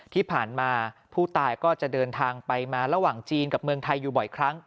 ที่ผ่านมาผู้ตายก็จะเดินทางไปมาระหว่างจีนกับเมืองไทยอยู่บ่อยครั้ง